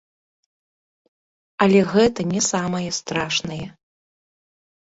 Але гэта не самае страшнае.